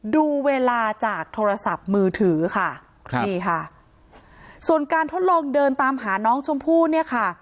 ดูเวลาจากโทรศัพท์มือถือค่ะครับนี่ค่ะส่วนการทดลองเดินตามหาน้องชมพู่เนี่ยค่ะ